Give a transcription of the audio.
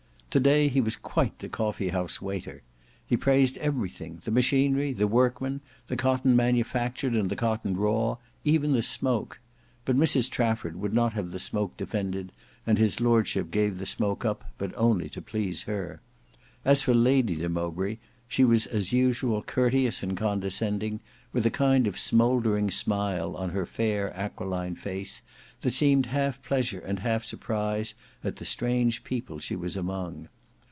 To day he was quite the coffee house waiter. He praised everything: the machinery, the workmen, the cotton manufactured and the cotton raw, even the smoke. But Mrs Trafford would not have the smoke defended, and his lordship gave the smoke up, but only to please her. As for Lady de Mowbray, she was as usual courteous and condescending, with a kind of smouldering smile on her fair aquiline face, that seemed half pleasure and half surprise at the strange people she was among.